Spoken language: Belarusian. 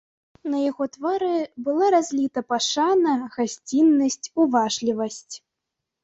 На яго твары была разліта пашана, гасціннасць, уважлівасць.